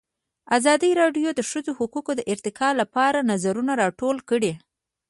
ازادي راډیو د د ښځو حقونه د ارتقا لپاره نظرونه راټول کړي.